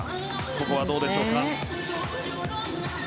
ここはどうでしょうか。